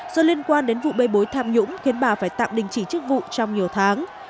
do liên quan đến vụ bê bối tham nhũng khiến bà phải tạm đình chỉ chức vụ trong nhiều tháng